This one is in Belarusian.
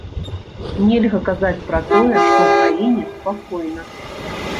Нельга казаць пра тое, што ў краіне спакойна.